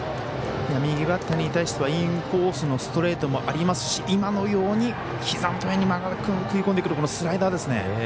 右バッターに対してはインコースのストレートもありますし今のようにひざ元へ曲がって食い込んでくるスライダーですね。